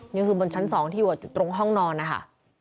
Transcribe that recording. นี่คือบนชั้น๒ที่อยู่ตรงห้องนอนนะคะ